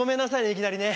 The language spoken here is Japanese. いきなりね。